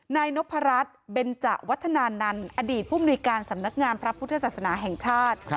นายนพรัชเบนจะวัฒนานันต์อดีตผู้มนุยการสำนักงานพระพุทธศาสนาแห่งชาติ